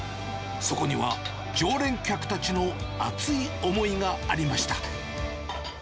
そこには、常連客達の熱い思いがありました。